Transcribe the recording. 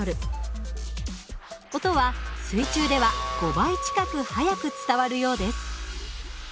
音は水中では５倍近く速く伝わるようです。